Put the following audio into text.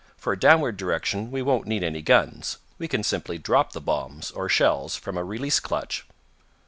For a downward direction we won't need any guns, we can simply drop the bombs, or shells, from a release clutch."